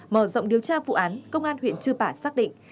mở rộng điều tra vụ án công an huyện chư pả xác định